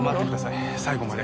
最後まで。